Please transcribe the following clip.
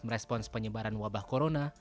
merespons penyebaran wabah corona